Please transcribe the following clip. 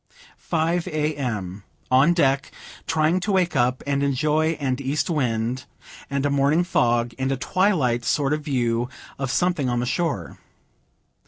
Five, A. M. On deck, trying to wake up and enjoy an east wind and a morning fog, and a twilight sort of view of something on the shore.